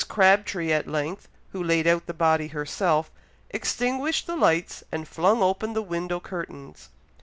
Crabtree at length, who laid out the body herself, extinguished the lights, and flung open the window curtains.